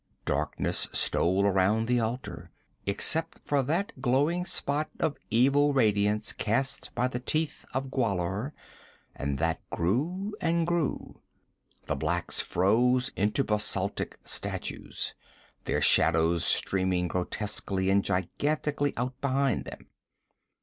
Darkness stole around the altar, except for that glowing spot of evil radiance cast by the teeth of Gwahlur, and that grew and grew. The blacks froze into basaltic statues, their shadows streaming grotesquely and gigantically out behind them.